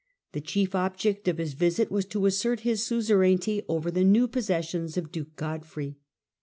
The chief object of his visit was to assert his suzerainty over The em the uow possessious of duke Godfrey.